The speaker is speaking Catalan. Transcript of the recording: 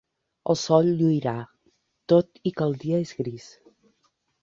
El sol lluirà, tot i que el dia és gris.